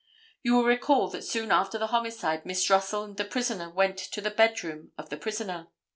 You will recall that soon after the homicide Miss Russell and the prisoner went to the bed room of the prisoner.